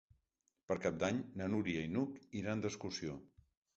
Per Cap d'Any na Núria i n'Hug iran d'excursió.